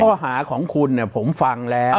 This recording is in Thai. คือข้อหาของคุณเนี่ยผมฟังแล้ว